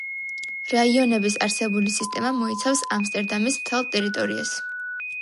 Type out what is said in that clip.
რაიონების არსებული სისტემა მოიცავს ამსტერდამის მთელ ტერიტორიას.